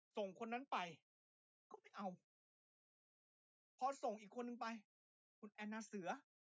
ส่งคนนั้นไปก็ไม่เอาพอส่งอีกคนนึงไปส่งคุณแอนนาเสือ